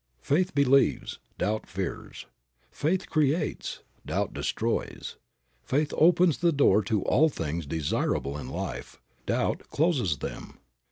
Faith believes; doubt fears. Faith creates; doubt destroys. Faith opens the door to all things desirable in life; doubt closes them.